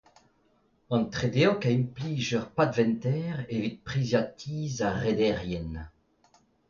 An tredeog a implij ur padventer evit priziañ tizh ar rederien.